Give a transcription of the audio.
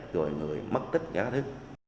rồi người mất tích các thứ